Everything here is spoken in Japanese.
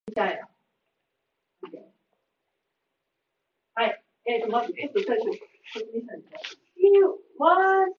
アストゥリアス州の州都はオビエドである